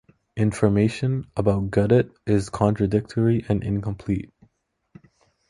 Information about Gudit is contradictory and incomplete.